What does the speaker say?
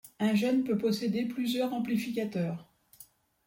Un gène peut posséder plusieurs amplificateurs.